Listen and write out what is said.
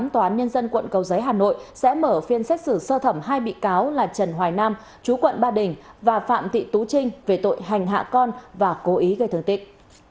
tòa án nhân dân quận cầu giấy hà nội sẽ mở phiên xét xử sơ thẩm hai bị cáo là trần hoài nam chú quận ba đình và phạm thị tú trinh về tội hành hạ con và cố ý gây thương tích